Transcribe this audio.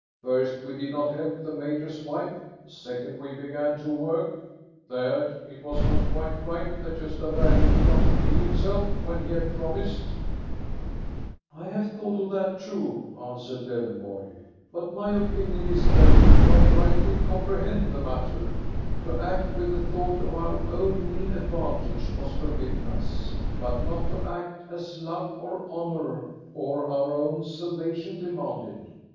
First, we did not help the major's wife; second, we began to work; third, it was not quite right that Gosta Berling did not kill himself, when he had promised." 46o THE STORY OF GOSTA BERLING " I have thought of that too," answered Lowen borg ;" but my opinion is, that you do not rightly comprehend the matter. To act with the thought of our own mean advantage was forbidden us ; but not to act as love or honor or our own salvation demanded.